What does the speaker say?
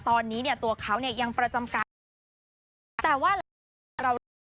ตอนนี้เนี่ยตัวเขาเนี่ยยังประจำการแต่ว่า